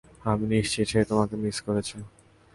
আমি নিশ্চিত সে তোমাকে মিস করেছে।